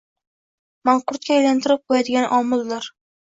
manqurtga aylantirib qo‘yadigan omildir.